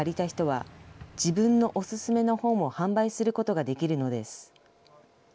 本棚を借りた人は自分のお薦めの本を販売することができるのです。